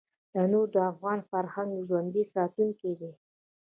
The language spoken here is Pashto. تنور د افغان فرهنګ ژوندي ساتونکی دی